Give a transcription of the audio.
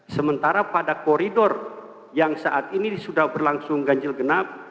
sementara pada koridor yang saat ini sudah berlangsung ganjil genap